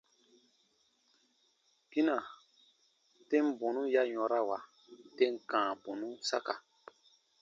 Gina, tem bɔnu ya yɔ̃rawa tem kãa bɔnun saka.